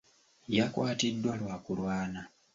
Yakwatiddwa lwa kulwana.